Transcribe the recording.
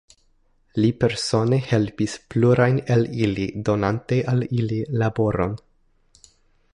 Li persone helpis plurajn el ili, donante al ili laboron.